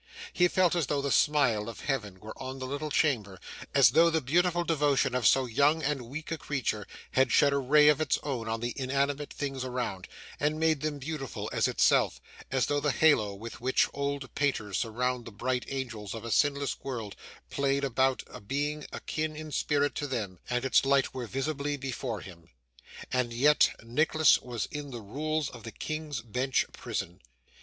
He felt as though the smile of Heaven were on the little chamber; as though the beautiful devotion of so young and weak a creature had shed a ray of its own on the inanimate things around, and made them beautiful as itself; as though the halo with which old painters surround the bright angels of a sinless world played about a being akin in spirit to them, and its light were visibly before him. And yet Nicholas was in the Rules of the King's Bench Prison!